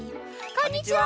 こんにちは。